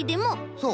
そう。